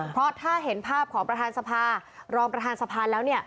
เพราะถ้าเห็นภาพของประธานสภารองประธานสภาแล้วเนี่ย